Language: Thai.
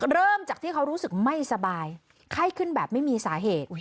เริ่มจากที่เขารู้สึกไม่สบายไข้ขึ้นแบบไม่มีสาเหตุ